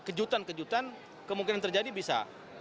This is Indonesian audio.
kejutan kejutan kemungkinan terjadi bisa